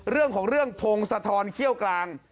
เรื่องของเรื่องพงศธรเขี้ยวกลาง